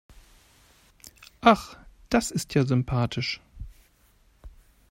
Ach, das ist ja sympathisch.